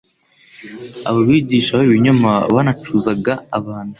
Abo bigisha b'ibinyoma banacuzaga abantu.